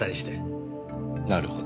なるほど。